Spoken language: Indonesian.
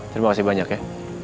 terima kasih banyak ya